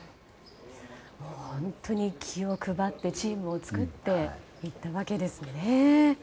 本当に気を配ってチームを作っていったわけですね。